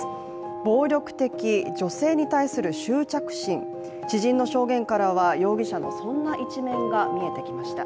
暴力的、女性に対する執着心、知人の証言からは、容疑者のそんな一面が見えてきました。